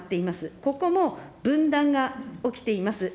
ここも分断が起きています。